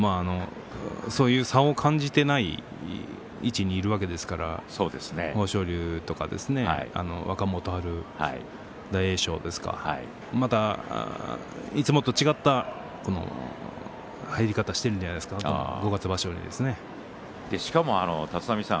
そういう差を感じていない位置にいるわけですから豊昇龍とかですね、若元春大栄翔ですかいつもと違った入り方をしているんじゃないですか五月場所にですね。